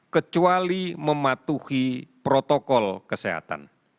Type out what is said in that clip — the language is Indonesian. kecuali mematuhi protokol kesehatan